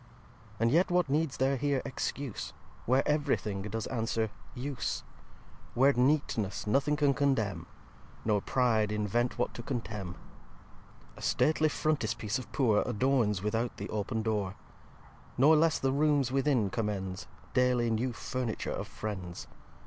And yet what needs there here Excuse, Where ev'ry Thing does answer Use? Where neatness nothing can condemn, Nor Pride invent what to contemn? ix A Stately Frontispice Of Poor Adorns without the open Door: Nor less the Rooms within commends Daily new Furniture Of Friends.